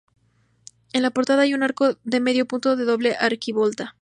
En la portada hay un arco de medio punto de doble arquivolta.